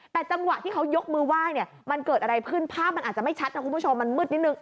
แต่จังหวะที่เขายกมือไหว้เนี่ยมันเกิดอะไรขึ้นภาพมันอาจจะไม่ชัดนะคุณผู้ชมมันมืดนิดนึง